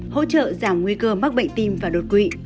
hỗ trợ giảm nguy cơ mắc bệnh tim và đột quỵ